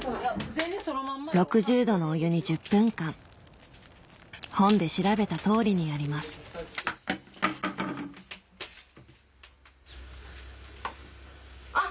６０度のお湯に１０分間本で調べた通りにやりますあっ！